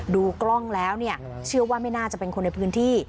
ดูกล้องแล้วเนี่ยเชื่อว่าไม่น่าจะเป็นคนในพื้นที่